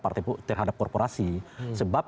partai terhadap korporasi sebab